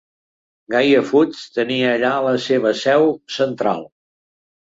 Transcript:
Goya Foods tenia allà la seva seu central.